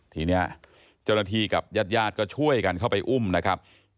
ทีนี้เจ้าหน้าที่กับญาติญาติก็ช่วยกันเข้าไปอุ้มนะครับ